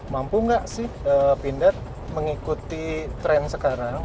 mampu nggak sih pindad mengikuti tren sekarang